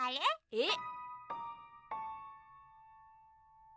えっ？